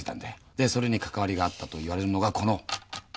でそれにかかわりがあったと言われるのがこの画商の男。